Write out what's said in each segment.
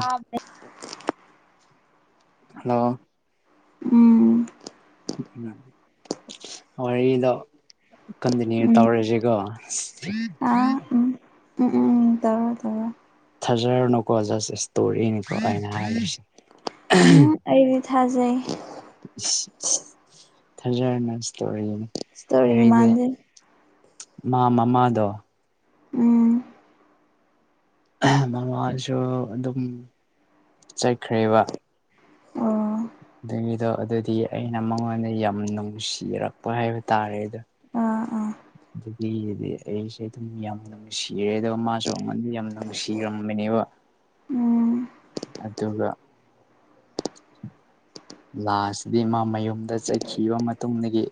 ꯑ ꯍꯜꯂꯣ ꯎꯝ ꯋꯔꯤꯗꯣ ꯀꯟꯇꯤꯅꯌꯔ ꯎꯝ ꯇꯧꯔꯁꯦꯀꯣ ꯑꯥ ꯎꯝ ꯎꯝ ꯎꯝꯝ ꯇꯧꯔꯣꯇꯧꯔꯣ ꯊꯥꯖꯔꯅꯨꯀꯣ ꯖꯁ ꯏꯁꯇꯣꯔꯤꯅꯤꯀꯣ ꯑꯩꯅ ꯍꯥꯏꯁꯦ ꯊꯖꯩ ꯊꯖꯔ ꯢꯁꯇꯣꯔꯤꯑꯣꯏꯅꯤ ꯏꯁꯇꯣꯔꯤꯃꯥꯟꯗꯦ ꯃꯥ ꯃꯃꯥꯗꯣ ꯎꯝ ꯃꯃꯥꯁꯨ ꯑꯗꯨꯝ ꯆꯠꯈ꯭ꯔꯦꯕ ꯑꯣ ꯑꯗꯨꯒꯤꯗꯣ ꯑꯗꯨꯗꯤ ꯑꯩꯅ ꯃꯉꯣꯟꯗ ꯌꯥꯝ ꯅꯨꯡꯁꯤꯔꯛꯄ ꯍꯥꯏꯕ ꯇꯥꯔꯦ ꯑꯗꯣ ꯎ ꯑꯗꯨꯗꯒꯤꯗꯤ ꯑꯩꯁꯦ ꯑꯗꯨꯝ ꯌꯥꯝ ꯅꯨꯡꯁꯤꯔꯦ ꯑꯗꯨꯒ ꯃꯥꯁꯨ ꯑꯩꯉꯟꯗꯤ ꯌꯥꯝ ꯅꯨꯡꯁꯤꯔꯝꯕꯅꯦꯕ ꯑꯣ ꯑꯗꯨꯠꯇꯕ ꯂꯥꯁꯤꯗꯤ ꯃꯥ ꯃꯌꯨꯝꯗ ꯆꯠꯈꯤꯕ ꯃꯇꯨꯡꯗꯒꯤ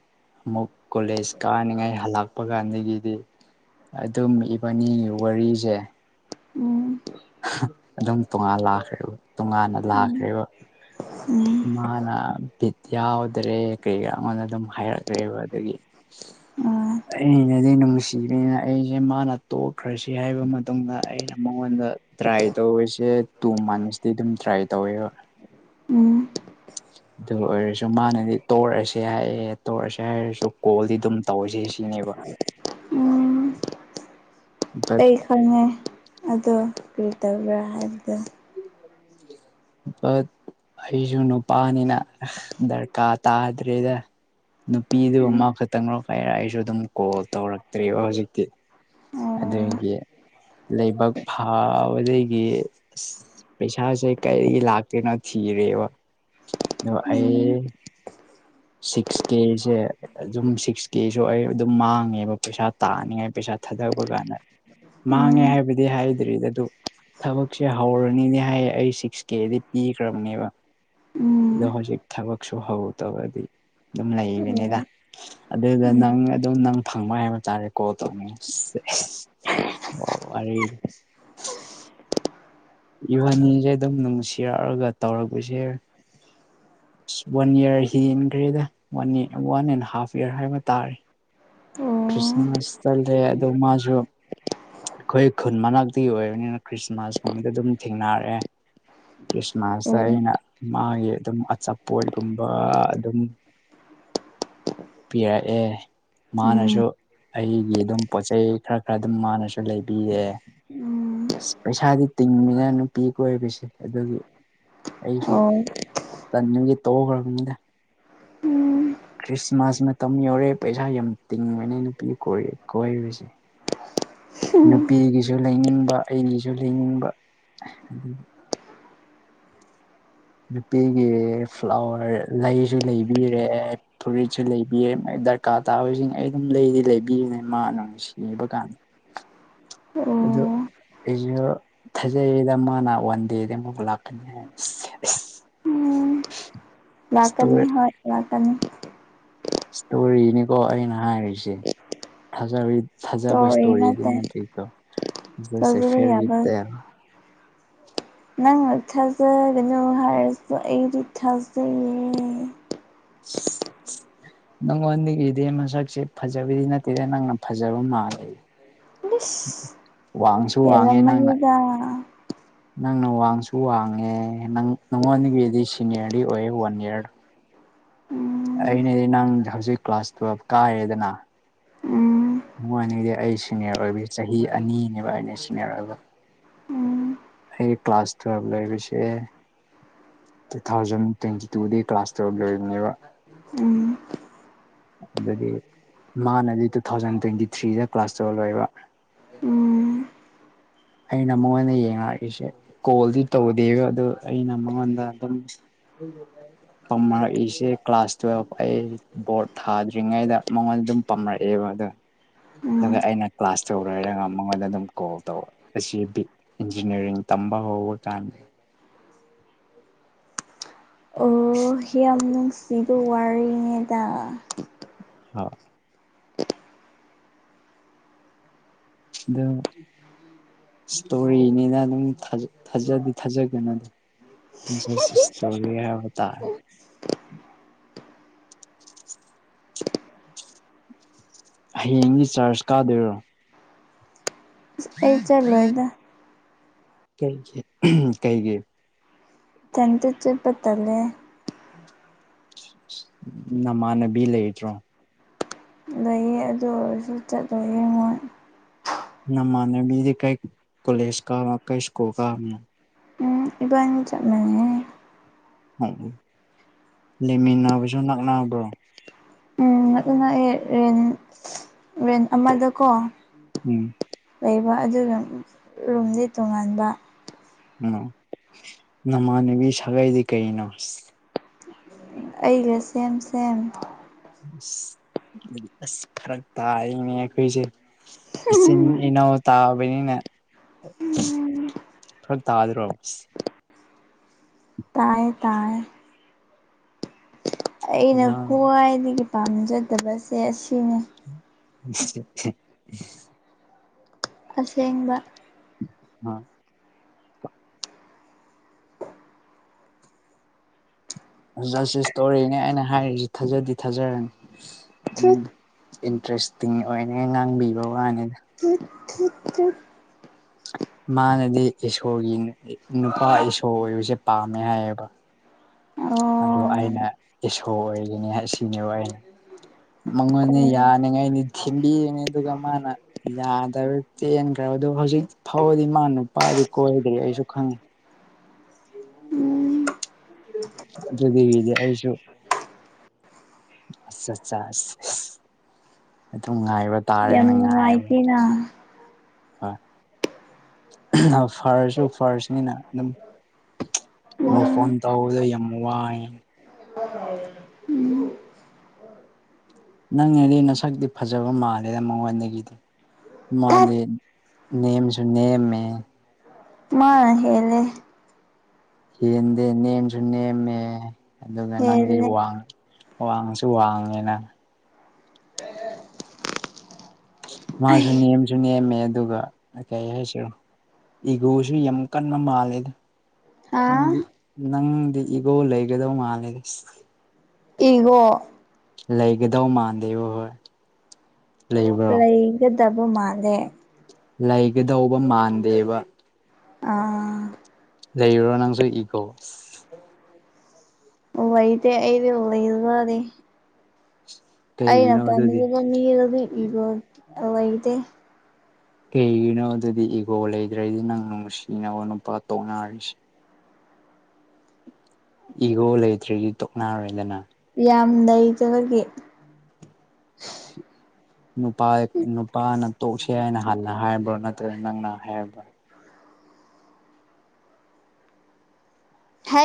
ꯑꯃꯨꯛ ꯀꯣꯂꯦꯖ ꯀꯥꯅꯤꯉꯥꯏ ꯍꯜꯂꯛꯄ ꯀꯥꯟꯗꯒꯤꯗꯤ ꯑꯗꯨꯝ ꯏꯕꯅꯤ ꯋꯥꯔꯤꯁꯦ ꯎꯝ ꯑꯗꯨꯝ ꯇꯣꯉꯥꯟ ꯂꯥꯛꯈ꯭ꯔꯦꯕ ꯇꯣꯉꯥꯟꯅ ꯎꯝ ꯂꯥꯛꯈ꯭ꯔꯦꯕ ꯎꯝ ꯃꯥꯅ ꯚꯠ ꯌꯥꯎꯗ꯭ꯔꯦ ꯀꯩ ꯀꯥ ꯑꯩꯗ ꯑꯗꯨꯝ ꯍꯥꯏꯔꯛꯈ꯭ꯔꯦꯕ ꯑꯗꯨꯗꯒꯤ ꯑꯥ ꯑꯩꯅꯗꯤ ꯅꯨꯡꯁꯤꯕꯅꯤꯅ ꯑꯩꯁꯦ ꯃꯥꯅ ꯇꯣꯛꯈ꯭ꯔꯁꯤ ꯍꯥꯏꯕ ꯃꯇꯨꯡꯗ ꯑꯩꯅ ꯃꯉꯣꯟꯗ ꯇ꯭ꯔꯥꯏ ꯇꯧꯔꯤꯁꯦ ꯇꯨ ꯃꯟꯁꯇꯤ ꯑꯗꯨꯝ ꯇ꯭ꯔꯥꯏ ꯇꯧꯋꯦꯕ ꯎꯝ ꯑꯗꯨ ꯑꯣꯏꯔꯁꯨ ꯃꯥꯅꯗꯤ ꯇꯣꯛꯛꯑꯁꯦ ꯍꯥꯏꯌꯦ ꯇꯣꯛꯑꯁꯦ ꯍꯥꯏꯔꯁꯨ ꯀꯣꯜꯗꯤ ꯑꯗꯨꯝ ꯇꯧꯁꯤ ꯆꯅꯦꯕ ꯎꯝ ꯑꯩ ꯈꯪꯉꯦ ꯑꯗꯣ ꯀꯔꯤ ꯇꯧꯕ꯭ꯔꯥ ꯍꯥꯏꯕꯗꯨ [inaudible] ꯑꯩꯁꯨ ꯅꯨꯄꯥꯅꯤꯅ ꯗꯔꯀꯥꯔ ꯇꯥꯗ꯭ꯔꯦꯗ ꯅꯨꯄꯤꯗꯨꯕꯨ ꯎꯝ ꯃꯥ ꯈꯛꯇꯪꯣ ꯀꯥꯏꯔ ꯑꯩꯁꯨ ꯑꯗꯨꯝ ꯀꯣꯜ ꯇꯧꯔꯛꯇ꯭ꯦꯔꯤꯕ ꯍꯧꯖꯤꯛꯇꯤ ꯑꯣ ꯑꯗꯨꯒꯤ ꯂꯕꯛ ꯐꯥꯕꯗꯒꯤ ꯄꯩꯁꯥꯁꯦ ꯀꯔꯤ ꯂꯥꯛꯇꯦꯅꯣ ꯊꯤꯔꯦꯕ ꯑꯗꯣ ꯎꯝ ꯑꯩ ꯁꯤꯛꯁ ꯀꯦꯁꯦ ꯑꯗꯨꯝ ꯁꯤꯛꯁ ꯀꯦꯁꯨ ꯑꯩ ꯑꯗꯨꯝ ꯃꯥꯡꯉꯦꯕ ꯄꯩꯁꯥ ꯇꯥꯅꯤꯉꯥꯏ ꯄꯩꯁꯥ ꯊꯥꯗꯕ ꯀꯥꯟꯗ ꯃꯥꯡꯉꯦ ꯎꯝ ꯍꯥꯏꯕꯗꯤ ꯍꯥꯏꯗ꯭ꯔꯤ ꯑꯗꯨ ꯊꯕꯛꯁꯦ ꯍꯧꯔꯅꯤꯅꯦ ꯍꯥꯏꯌꯦ ꯑꯩ ꯁꯤꯛꯁ ꯀꯦꯗꯤ ꯄꯤꯈ꯭ꯔꯕꯅꯦꯕ ꯎꯝ ꯑꯗꯣ ꯍꯧꯖꯤꯛ ꯊꯕꯛꯁꯨ ꯍꯧ ꯇꯔꯗꯤ ꯑꯗꯨꯝ ꯑꯣ ꯂꯩꯕꯅꯤꯗ ꯑꯗꯨꯗ ꯎꯝ ꯅꯪ ꯑꯗꯨꯝ ꯅꯪ ꯐꯪꯕ ꯍꯥꯏꯕ ꯇꯥꯔꯦ ꯀꯣꯜ ꯇꯧꯅꯤꯡꯁꯦ ꯑꯣ ꯑꯔꯗ ꯏꯕꯥꯅꯤꯁꯦ ꯑꯗꯨꯝ ꯅꯨꯡꯁꯤꯔꯛꯑꯒ ꯇꯧꯔꯛꯄꯁꯦ ꯑꯁ ꯋꯥꯟ ꯏꯌꯥꯔ ꯍꯦꯟꯈ꯭ꯔꯦꯗ one one and half year ꯍꯥꯏꯕ ꯇꯥꯔꯦ ꯑꯣ ꯈ꯭ꯔꯤꯁꯃꯁ ꯇꯂꯗꯦ ꯑꯗꯨ ꯃꯥꯁꯨꯁꯨ ꯑꯩꯈꯣꯏ ꯈꯨꯟ ꯃꯅꯥꯛꯇꯤ ꯑꯣꯏꯕꯅꯤꯅ ꯈ꯭ꯔꯤꯁꯃꯥꯁ ꯀꯨꯝꯕꯗ ꯑꯗꯨꯝ ꯊꯦꯡꯅꯔꯛꯑꯦ ꯑꯣ ꯈ꯭ꯔꯤꯁꯃꯁ ꯑꯩꯅ ꯃꯥꯒꯤ ꯑꯗꯨꯝ ꯑꯆꯥꯄꯣꯠꯒꯨꯝꯕ ꯑꯗꯨꯝ ꯄꯤꯌꯥꯏ ꯑꯦ ꯃꯥꯅꯁꯨ ꯎꯝ ꯑꯩꯒꯤ ꯑꯗꯨꯝ ꯄꯣꯠ ꯆꯩꯩ ꯈꯔ ꯈꯔ ꯑꯗꯨꯝ ꯃꯥꯅꯁꯨ ꯂꯩꯕꯤꯌꯦ ꯎꯝ ꯄꯩꯁꯥꯗꯤ ꯇꯤꯟ ꯃ ꯅꯨꯄꯤꯤ ꯀꯣꯏꯕꯤꯁꯦ ꯑꯗꯨꯒꯤ ꯑꯣ ꯑꯩꯁꯨꯟꯒꯤ ꯇꯧꯈ꯭ꯔꯕꯅꯤꯗ ꯎꯝ ꯈ꯭ꯔꯤꯁꯃꯥꯁ ꯃꯇꯝ ꯌꯧꯔꯦ ꯄꯩꯁꯥ ꯌꯥꯝ ꯇꯤꯡꯕꯅꯦ ꯅꯨꯄꯤ ꯀꯣꯏꯔꯨꯁꯦ ꯍ ꯅꯨꯄꯤꯒꯤꯁꯨ ꯂꯩꯅꯤꯡꯕ ꯑꯩꯒꯤꯁꯨ ꯂꯩꯅꯤꯡꯕ ꯑꯗꯒꯤ ꯅꯨꯄꯤꯒꯤ ꯐ꯭ꯂꯥꯋꯔ ꯂꯩꯁꯨ ꯂꯩꯕꯤꯔꯦ ꯐꯨꯔꯤꯠꯁꯨ ꯂꯩꯕꯤꯔꯦ ꯗꯔꯀꯥꯔ ꯇꯥꯕꯁꯤꯡ ꯑꯩ ꯑꯗꯨꯝ ꯂꯩꯔꯤ ꯂꯩꯕꯤꯔꯤꯅꯦ ꯃꯥ ꯅꯨꯡꯁꯤꯕ ꯀꯥꯟꯗ ꯑꯗꯨꯗ ꯑꯣ ꯑꯩꯁꯨ ꯊꯥꯖꯩꯗ ꯃꯥꯅ ꯋꯥꯟꯗꯦꯗꯤ ꯑꯃꯨꯕꯨ ꯂꯥꯛꯀꯅꯤ ꯍꯥꯏ ꯎꯝ ꯂꯥꯛꯀꯅꯤ ꯏꯁꯇꯣꯔꯤ ꯍ ꯂꯥꯛꯀꯅꯤ ꯏꯁꯇꯣꯔꯤꯅꯤꯀꯣ ꯑꯩꯅ ꯍꯥꯏꯔꯤꯁꯦ ꯊꯖ ꯊꯥꯖꯕ ꯇꯧꯔꯤ ꯏꯁꯇꯣꯔꯤꯗꯤ ꯅꯠꯇꯦ ꯅ ꯇꯀꯣꯁꯦ ꯊꯥꯖꯕ ꯐꯦꯚꯔꯤꯠ ꯌꯥꯕ ꯇ ꯅꯪꯅ ꯊꯥꯖꯒꯅꯨ ꯍꯥꯏꯔꯁꯨ ꯑꯩꯗꯤ ꯊꯥꯖꯩꯔꯦ [inaudible] ꯅꯪꯉꯣꯟꯗꯒꯤꯗꯤ ꯃꯁꯛꯁꯦ ꯐꯖꯕꯗꯤ ꯅꯠꯇꯦꯗ ꯅꯪꯅ ꯐꯖꯕ ꯃꯥꯜꯂꯦ ꯋꯥꯡꯁꯨ ꯑꯦꯂ ꯋꯥꯡꯉꯦ ꯅꯪꯅ ꯃꯅꯤꯗꯥ ꯅꯪꯅ ꯋꯥꯡꯁꯨ ꯋꯥꯡꯉꯦ ꯅꯉꯣꯟꯗꯒꯤꯗꯤ ꯁꯤꯅꯤꯌꯔꯗꯤ ꯑꯣꯏꯌꯦ ꯋꯥꯟ ꯏꯌꯥꯔ ꯎꯝ ꯑꯩꯅꯗꯤ ꯅꯪ ꯍꯧꯖꯤꯛ ꯀ꯭ꯂꯥꯁ ꯇꯨꯋꯜꯕ ꯀꯥꯏꯔꯦꯗꯅ ꯎꯝ ꯅꯨꯡꯉꯥꯏꯅꯤꯡꯗꯤ ꯑꯩ ꯁꯤꯅꯤꯌꯔ ꯑꯣꯏꯕ ꯆꯍꯤ ꯑꯅꯤꯅꯦꯕ ꯑꯩꯅ ꯁꯤꯅꯤꯌꯔ ꯑꯣꯏꯕ ꯎꯝ ꯑꯩ ꯀ꯭ꯂꯥꯁ ꯇꯕ ꯂꯩꯕꯁ ꯇꯨ ꯊꯥꯎꯖꯟ ꯇ꯭ꯋꯦꯟꯇꯤ ꯇꯨꯗꯒꯤ ꯀ꯭ꯂꯥꯁ ꯇꯧꯔ ꯂꯣꯏꯔꯤꯕꯅꯦꯕ ꯎꯝ ꯑꯗꯨꯗꯤ ꯃꯥꯅꯗꯤ ꯇꯨ ꯊꯥꯎꯖꯟ ꯇ꯭ꯋꯦꯟꯇꯤ ꯊ꯭ꯔꯤꯗ ꯀ꯭ꯂꯥꯁ ꯇꯧꯍꯜꯂꯣꯏꯕ ꯎꯝ ꯑꯩꯅ ꯃꯉꯣꯟꯗ ꯌꯦꯡꯉꯛꯏꯁꯦ ꯀꯣꯜꯗꯤ ꯇꯧꯗꯦꯕ ꯑꯗꯨ ꯑꯩꯅ ꯃꯉꯣꯟꯗ ꯑꯗꯨꯝ ꯄꯝꯅꯔꯛꯏꯁꯦ ꯀ꯭ꯂꯥꯁ ꯇꯨꯋꯦꯜꯐ ꯑꯩ ꯕꯣꯔꯗ ꯊꯥꯗ꯭ꯔꯤꯉꯩꯗ ꯃꯉꯣꯟ ꯑꯗꯨꯝ ꯄꯥꯝꯃꯛꯑꯦꯕ ꯑꯗ ꯎꯝ ꯑꯗꯨꯒ ꯑꯩꯅ ꯀ꯭ꯂꯥꯁ ꯇꯧꯔ ꯍꯥꯏꯔꯒ ꯃꯉꯣꯟꯗ ꯑꯗꯨꯝ ꯀꯣꯜ ꯇꯧꯔꯛꯦ ꯑꯁꯤ ꯏꯟꯖꯤꯅꯤꯌꯥꯔꯤꯡ ꯇꯝꯕ ꯍꯧꯕ ꯀꯥꯟꯅꯤ ꯑꯣ ꯍ ꯌꯥꯝ ꯅꯨꯡꯁꯤꯕ ꯋꯥꯔꯤꯉꯗ ꯍꯥꯎ ꯑꯗꯨꯝ ꯏꯁꯇꯣꯔꯤꯅꯤꯅ ꯑꯗꯨꯝ ꯊꯥꯖꯗꯤ ꯊꯥꯖꯒꯦꯅ ꯑꯗꯨꯝ ꯁ ꯏꯁꯇꯣꯔꯤ ꯌꯥꯕꯇꯥ [unintelligible] ꯍꯌꯦꯡꯒꯤ ꯆꯥꯔꯖ ꯀꯥꯗꯣꯏꯔꯣ ꯑꯁ ꯑꯩ ꯆꯠꯂꯣꯏꯗ ꯀꯩ ꯀꯩ ꯒꯤ ꯆꯟꯇ ꯆꯄꯠꯇꯂꯦ ꯅꯃꯥꯟꯅꯕꯤ ꯂꯩꯗ꯭ꯔꯣ ꯂꯩꯌꯦ ꯑꯗꯨ ꯑꯣꯏꯔꯁꯨ ꯆꯠꯂꯣꯏꯌꯦꯦ ꯃꯣꯏ ꯃꯥꯅꯦꯗꯤ ꯀꯩ ꯀꯣꯂꯦꯖ ꯀ ꯀꯩ ꯁ꯭ꯀꯨꯜ ꯀꯥꯔꯦꯅꯣ ꯎꯝ ꯏꯕꯅꯤ ꯆꯠꯅꯦ ꯎ ꯂꯩꯃꯤꯟꯅꯕꯁꯨ ꯅꯛꯕ꯭ꯔꯣ ꯎꯝ ꯑꯗꯨꯅ ꯑꯦ ꯔꯦꯟ ꯔꯦꯟ ꯑꯃꯗꯀꯣ ꯎꯝ ꯂꯩꯕ ꯑꯗꯨꯒ ꯔꯨꯝꯗꯤ ꯇꯣꯉꯥꯟꯕ ꯎꯝ ꯅꯃꯥꯟꯅꯕꯤ ꯁꯥꯒꯩꯗꯤ ꯀꯩꯅꯣ ꯑꯩꯒ ꯁꯦꯝ ꯁꯦꯝ ꯑꯁ ꯐꯔꯛ ꯇꯥꯅꯦ ꯑꯩꯈꯣꯏꯁꯦ ꯏꯆꯤꯟ ꯏꯅꯥꯎ ꯇꯥꯕꯅꯤꯅ ꯈꯔ ꯇꯥꯗ꯭ꯔꯣꯕ ꯇꯥꯏꯌꯦ ꯇꯥꯏ ꯑꯩꯅ ꯅꯪ ꯈ꯭ꯋꯥꯏꯗꯒꯤ ꯄꯥꯝꯖꯗꯕꯁꯦ ꯑꯁꯤꯅꯤ [unintelligible] ꯑꯁꯦꯡꯕ ꯑ ꯖ ꯁꯤ ꯏꯁꯇꯣꯔꯤꯅꯦ ꯑꯩꯅ ꯍꯥꯏꯔꯤꯁꯤ ꯊꯥꯖꯗꯤ ꯊꯥꯖꯔꯅꯤ ꯎꯝ ꯊꯨꯠ ꯏꯟꯇꯔꯦꯁꯇꯤꯡ ꯑꯣꯏꯅ ꯉꯥꯡꯕꯤꯕ ꯋꯥꯅꯤꯗ ꯊꯨꯠ ꯊꯨꯠ ꯊꯨꯠ ꯃꯥꯅꯗꯤ ꯏꯁꯣꯔꯒꯤ ꯅꯨꯄꯥ ꯏꯁꯣꯔ ꯑꯣꯏꯕꯁꯦ ꯄꯥꯝꯃꯦ ꯍꯥꯏꯌꯦꯕ ꯑꯗꯣ ꯑꯣ ꯑꯩꯅ ꯏꯁꯁꯣ ꯑꯣꯏꯒꯅꯤ ꯑꯁꯤꯅꯦꯕ ꯑꯩꯅ ꯃꯉꯣꯟꯟꯅ ꯑꯣ ꯌꯥꯅꯉꯥꯏ ꯅꯤꯡꯗ ꯄꯤꯉ ꯑꯗꯨꯒ ꯀ ꯃꯥꯅ ꯌꯥꯗꯕꯛꯇ ꯑꯗꯣ ꯍꯧꯖꯤꯛ ꯐꯥꯎꯔꯗꯤ ꯃꯥ ꯅꯨꯄꯥꯗꯤ ꯀꯣꯏꯗ꯭ꯔꯤ ꯑꯩꯁꯨ ꯈꯪꯉꯤ ꯎꯝ ꯑꯗꯨꯗꯤꯕꯤꯗꯤ ꯑꯩꯁꯨ ꯑ ꯑꯠ ꯑꯁ ꯑꯗꯨꯝ ꯉꯥꯏꯕ ꯌꯥꯝ ꯇꯥꯦꯅ ꯉ ꯅꯨꯡꯉꯥꯏꯇꯦꯅ ꯍ ꯑ ꯐꯔꯁꯨꯁꯨ ꯐꯔꯁꯅꯤꯅ ꯑꯗꯨꯝ ꯃꯨꯣꯏ ꯎꯝ ꯐꯣꯟ ꯇꯧꯕꯗ ꯌꯥꯝ ꯋꯥꯏ ꯎꯝ ꯅꯪꯅꯦꯗꯤ ꯅꯁꯛꯇꯤ ꯐꯖꯕ ꯃꯥꯜꯂꯦꯗ ꯃꯉꯣꯟꯗꯒꯤꯗꯤ ꯊꯠ ꯃꯥꯗꯦ ꯅꯦꯝꯁꯨ ꯅꯝ ꯃꯥ ꯍꯦꯂꯦ ꯍꯦꯟꯗꯦ ꯅꯦꯝꯁꯨ ꯅꯦꯝꯃꯦ ꯑꯗꯨꯒ ꯅꯪꯗꯤ ꯍꯦꯜꯂꯦ ꯋꯥꯡꯉ ꯋꯥꯡꯁꯨ ꯋꯥꯡꯉꯦꯅ ꯃꯥꯁꯨ ꯑꯩ ꯅꯦꯝꯁꯨ ꯅꯦꯝꯃꯦ ꯑꯗꯨꯒ ꯀꯩ ꯍꯥꯏꯁꯨ ꯏꯒꯣꯁꯨ ꯌꯥꯝ ꯀꯟꯅ ꯃꯥꯜꯂꯦꯗ ꯍꯥ ꯅꯪꯗꯤ ꯅꯪꯗꯤ ꯏꯒꯣ ꯂꯩꯒꯗꯧ ꯃꯥꯜꯂꯦ ꯏꯒꯣ ꯂꯩꯥꯏ ꯀꯗ ꯃꯥꯗꯦꯕ ꯍꯣꯏ ꯂꯩꯕ꯭ꯔꯣ ꯂꯩꯩꯒꯗꯕ ꯃꯥꯅꯦꯦ ꯂꯩꯒꯗꯧꯕ ꯃꯥꯟꯗꯦꯕ ꯑꯥ ꯂꯩꯔꯨꯔꯣ ꯅꯪꯁꯨ ꯏꯒꯣ ꯎ ꯋꯥꯩꯗꯤ ꯑꯩꯗꯤ ꯎ ꯑꯗꯨꯔꯦ ꯀꯩꯒꯤꯅꯣ ꯑꯗꯨꯗꯤ ꯑꯩꯅꯄꯝꯗꯒ ꯃꯤꯔꯗꯤ ꯏꯒꯦ ꯀꯩꯒꯤꯅꯣ ꯑꯗꯨꯗꯤ ꯏꯒꯣ ꯂꯩꯗ꯭ꯔꯗꯤ ꯅꯪ ꯅꯨꯡꯁꯤꯅꯕ ꯅꯨꯄꯥ ꯇꯣꯛꯅꯔꯤꯁꯦ ꯏꯒꯣ ꯂꯩꯇ꯭ꯔꯦꯗꯤ ꯇꯣꯛꯅꯔꯣꯏꯗꯅ ꯌꯥꯝ ꯂꯩꯩꯖꯕꯒꯦ ꯅꯨꯄꯥ ꯅꯨꯄꯥꯅ ꯇꯣꯛꯁꯦ ꯍꯥꯏꯅ ꯍꯥꯟꯅ ꯍꯥꯏꯕ꯭ꯔꯥ ꯅꯠꯇ꯭ꯔꯒ ꯅꯪꯅ ꯍꯥꯏꯔꯕ꯭ꯔꯥ ꯍ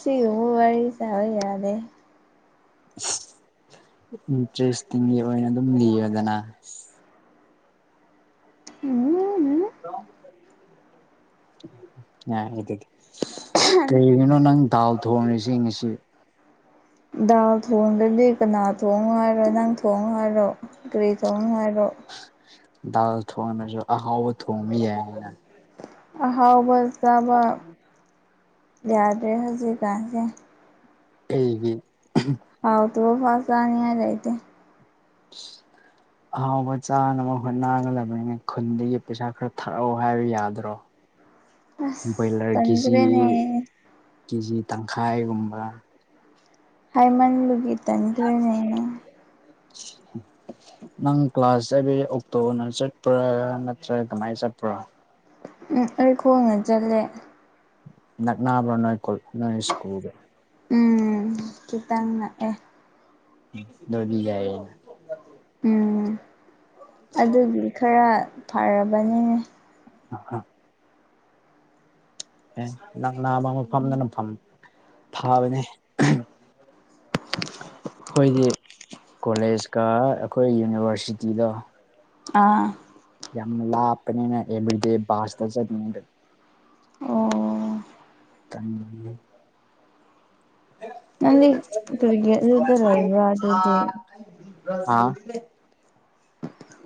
ꯁꯤ ꯍꯃꯨ ꯋꯥꯔꯤ ꯆ ꯍ ꯌꯥꯔꯗꯦ ꯏꯟꯇꯔꯦꯁꯇꯤꯡꯒꯤ ꯑꯣꯏꯅ ꯑꯗꯨꯝ ꯂꯤꯌꯦꯗꯅ ꯎꯝ ꯑ ꯍꯥꯏꯗꯗꯤ ꯀꯩꯒꯤꯅꯣ ꯅꯪ ꯗꯥꯎ ꯊꯣꯡꯉꯁꯤ ꯉꯁꯤ [inaudible] ꯗꯥꯜ ꯊꯣꯡꯗ꯭ꯔꯗꯤ ꯀꯅꯥ ꯊꯣꯡ ꯍꯥꯏꯥꯏꯔꯣ ꯅꯪ ꯊꯣꯡ ꯍꯥꯏꯔꯣ ꯀꯔꯤ ꯊꯣꯡ ꯍꯥꯏꯥꯏꯔꯣ ꯊ ꯑꯥꯎ ꯊꯣꯡꯃꯤ ꯌꯥ ꯍꯥꯎꯕ ꯆꯥꯕ ꯌꯥꯗ꯭ꯔꯦ ꯍꯧꯖꯤꯛꯀꯁꯦ ꯍꯦꯡ ꯍ ꯍꯥꯎ ꯇꯨ ꯐꯥꯁ ꯆꯅꯤ ꯍꯥꯏꯗ ꯏꯗꯤꯦ [inaudible] ꯑꯍꯥꯎꯕ ꯆꯥꯅꯕ ꯍꯨꯠ ꯅꯥꯒꯂꯕꯅꯤꯅ ꯈꯨꯟꯗꯒꯤ ꯄꯩꯁꯥ ꯈꯔ ꯊꯥꯔꯛꯑꯣ ꯍꯥꯏꯕ ꯌꯥꯗ꯭ꯔꯣ ꯑꯁ ꯭ꯔꯣꯌꯂꯔ ꯀꯦꯖꯤ ꯇꯟꯈ꯭ꯔꯦꯅꯦ ꯀꯦꯖꯤ ꯇꯪꯈꯥꯏꯒꯨꯝꯕ ꯍꯥꯏꯩꯃꯟꯗꯨꯨꯒꯤ ꯇꯗ꯭ꯔꯅꯦꯅꯦ [inaudible] ꯅꯪ ꯀ꯭ꯂꯥꯁ ꯆꯠꯕꯤ ꯑꯣꯛꯇꯣꯅ ꯆꯠꯄ꯭ꯔꯥ ꯅꯠꯇ꯭ꯔꯒ ꯀꯃꯥꯏꯅ ꯆꯠꯄ꯭ꯔꯥ ꯎꯝ ꯑꯩ ꯈꯣꯡꯅ ꯆꯠꯂꯦ ꯅꯅꯥꯕ꯭ꯔꯣ ꯅꯣꯏ ꯀꯣ ꯅꯣꯏ ꯏꯁꯀꯨꯜ ꯎꯝ ꯈꯤꯇꯪꯅ ꯑꯦ ꯗꯗꯤ ꯌꯥꯏ ꯎꯝ ꯑꯗꯨꯒꯤ ꯈꯔ ꯐꯔꯕꯅꯤꯅꯦ ꯑ ꯑꯦ ꯅꯪꯅꯥ ꯃ ꯃꯐꯝꯗꯅꯐꯝ ꯊꯥꯕꯅꯦ ꯑꯩꯈꯣꯏꯗꯤ ꯀꯣꯂꯦꯖꯀ ꯑꯩꯈꯣꯏ ꯌꯨꯅꯤꯚꯔꯁꯤꯇꯤꯗ ꯑꯥ ꯌꯥꯝ ꯑꯄꯅꯦꯅꯗꯤ ꯕꯥꯁ ꯆ ꯑꯣ ꯑꯟꯑꯣꯗꯤꯕꯜ ꯅꯪꯗꯤ ꯀꯔꯤꯒꯤ ꯑꯗꯨꯗ ꯂꯩꯕ꯭ꯔꯥ ꯑꯗꯨꯗꯤ ꯑꯟꯏꯟꯇꯦꯜꯂꯤꯖꯦꯕꯜ ꯍ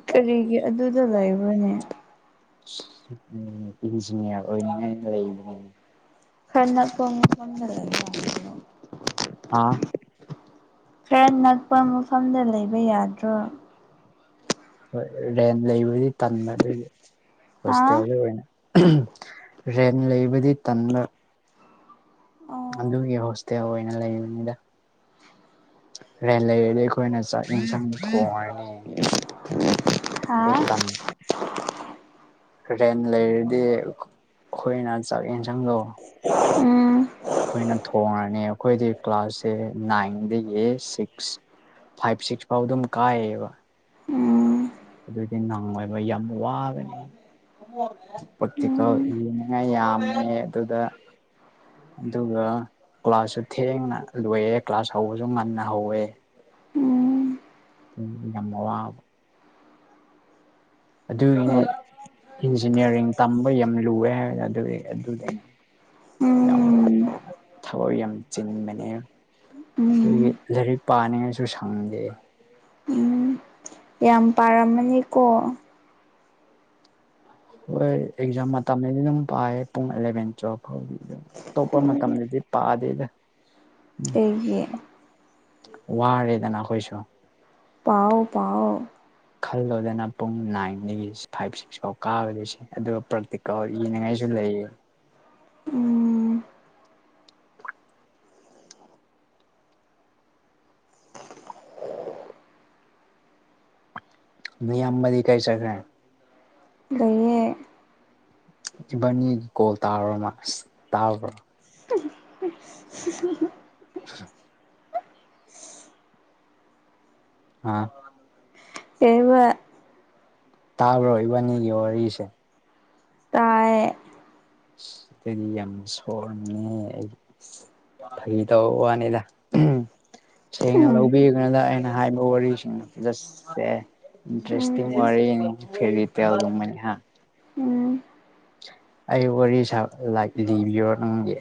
ꯀꯔꯤꯒꯤ ꯑꯗꯨꯗ ꯂꯩꯕꯔ꯭ꯅꯦ ꯁ ꯎ ꯏꯟꯖꯌꯔ ꯑꯣꯏꯒꯦ ꯂꯩꯔꯤ ꯑꯟꯏꯟꯇꯦꯜꯂꯤꯖꯦꯕꯜ ꯍꯥ ꯈꯔ ꯅꯛꯄ ꯃꯐꯝꯗ ꯂꯩꯕ ꯌꯥꯗ꯭ꯔꯣ ꯍꯣꯏ ꯔꯦꯟ ꯂꯩꯕꯗꯤ ꯇꯟꯕ ꯑꯗꯨꯒꯤ ꯍꯥ ꯍꯣꯁꯄꯤꯇꯦꯜꯗ ꯑꯣꯏꯅ ꯑꯝꯍꯝ ꯔꯦꯟ ꯂꯩꯕꯗꯤ ꯇꯟꯕ ꯑꯣ ꯑꯗꯨꯒꯤ ꯍꯣꯁꯇꯦꯜ ꯑꯣꯏꯅ ꯂꯩꯕꯅꯤꯗ ꯑꯟꯑꯣꯗꯤꯕꯜ ꯔꯦꯟ ꯂꯩꯔꯗꯤ ꯑꯩꯈꯣꯏꯅ ꯆꯥꯛ ꯌꯦꯟꯁꯥꯡ ꯊꯣꯡꯉꯅꯤ ꯑꯟꯑꯣꯗꯤꯕꯜ ꯑꯗꯨ ꯇꯥꯡ ꯔꯦꯟ ꯂꯩꯔꯗꯤ ꯑꯩꯈꯣꯏꯅ ꯆꯥꯛ ꯌꯦꯟꯁꯥꯡꯗꯣ ꯎꯝ ꯑꯩꯈꯣꯏꯅ ꯊꯣꯡꯉꯅꯤ ꯑꯩꯈꯣꯏꯗꯤ ꯀ꯭ꯂꯥꯁꯁꯦ ꯅꯥꯏꯟ ꯗꯒꯤ ꯁꯤꯛꯁ ꯐꯥꯏꯚ ꯁꯤꯛꯁ ꯐꯥꯎ ꯑꯗꯨꯝ ꯀꯥꯏꯌꯦꯕ ꯎꯝ ꯑꯗꯨꯗꯤ ꯅꯪꯉꯣꯏꯕ ꯌꯥꯝ ꯋꯥꯕꯅꯤ ꯄꯇꯤꯀꯣ ꯎꯝ ꯌꯦꯅꯤꯡꯉ ꯌꯥꯝꯃꯦ ꯑꯗꯨꯗ ꯑꯗꯨꯒ ꯀ꯭ꯂꯥꯁꯁꯨ ꯊꯦꯡꯅ ꯂꯣꯏꯑꯦ ꯀ꯭ꯂꯥꯁ ꯍꯧꯕꯁꯨ ꯉꯟꯅ ꯍꯧꯋꯦ ꯎꯝ ꯌꯥꯝ ꯋꯥꯕ ꯑꯗꯨꯒꯤꯅꯦ ꯍꯣꯏ ꯏꯟꯖꯤꯅꯤꯌꯥꯔꯤꯡ ꯇꯝꯕ ꯌꯥꯝ ꯂꯨꯑꯦ ꯍꯥꯏ ꯑꯗꯨ ꯑꯗꯨꯗꯤꯅꯦ ꯌꯥꯝ ꯎꯝ ꯊꯕꯛ ꯌꯥꯝ ꯆꯤꯟꯕꯅꯦ ꯎꯝ ꯑꯗꯨꯒꯤ ꯂꯥꯏꯔꯤꯛ ꯄꯥꯅꯤꯡꯉꯥꯏꯁꯨ ꯁꯪꯗꯦ ꯎꯝ ꯌꯥꯝ ꯄꯥꯔꯝꯃꯅꯤꯀꯣ ꯍꯣꯏ ꯑꯦꯛꯖꯝ ꯃꯥꯇꯝꯃꯦꯅ ꯄꯥꯏꯌꯦ ꯄꯨꯡ ꯑꯦꯂꯚꯦꯟ ꯇꯨꯋꯜꯐ ꯑꯇꯣꯞꯄ ꯃꯇꯝꯗꯗꯤ ꯄꯥꯗꯦꯗ ꯀꯩꯒꯤ ꯋꯥꯔꯦꯗꯅ ꯑꯈꯣꯏꯁꯨꯣ ꯄꯥꯎꯑꯣ ꯄꯥꯎꯑꯣ ꯈꯜꯂꯣꯗꯅ ꯄꯨꯡ ꯅꯥꯏꯟꯗꯒꯤ ꯐꯥꯏꯚ ꯁꯤꯛꯁ ꯐꯥꯎ ꯀꯥꯕꯗꯣꯏꯁꯦ ꯑꯗꯨꯒ ꯄ꯭ꯔꯥꯛꯇꯤꯀꯦꯜ ꯌꯦꯅꯤꯡꯉꯥꯏꯁꯨ ꯂꯩꯌꯦ ꯎꯝ ꯃꯤ ꯑꯝꯕꯗꯤ ꯆꯈ꯭ꯔꯦ ꯂꯩꯏꯌꯦ ꯏꯕꯥꯅꯤ ꯀꯣꯜ ꯇꯥꯔꯕ ꯃꯥ ꯑꯁ ꯇꯥꯕ꯭ꯔꯣ ꯑꯝꯍꯝꯍꯝꯍꯝ ꯑꯟꯑꯣꯗꯤꯕꯜ ꯑꯥ ꯗꯦꯕ ꯇꯥꯕ꯭ꯔꯣ ꯏꯕꯥꯅꯤꯒꯤ ꯋꯥꯔꯤꯁꯦ ꯇꯥꯌꯦ ꯑꯁ ꯑꯗꯨꯗꯤ ꯌꯥꯝ ꯁꯥꯎꯔꯅꯤꯍꯦ ꯑꯩ ꯐꯒꯤ ꯇꯧꯋꯥꯅꯤꯗ ꯁꯦꯡꯅ ꯎꯝ ꯂꯧꯕꯤꯒꯗ ꯑꯩꯅ ꯍꯥꯏꯕ ꯋꯥꯔꯤꯁꯤꯡꯗ ꯖꯁꯁꯦ ꯎꯝ ꯗ꯭ꯔꯦꯁꯇꯅꯤ ꯐꯦꯔꯤ ꯃꯅꯤ ꯍꯥ [unintelligible] ꯎꯝ ꯑꯩ ꯋꯥꯔꯤ ꯁꯥ ꯂꯤꯕꯤꯔꯣ ꯅꯪꯒꯤ